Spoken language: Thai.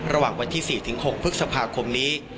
ระหว่างวันที่๔๖พฤษภาคมนี้